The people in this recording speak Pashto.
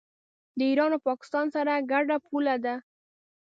د ایران او پاکستان سره ګډه پوله ده.